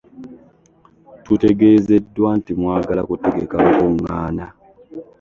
“Tutegeezeddwa nti mwagala kutegeka lukuŋŋaana"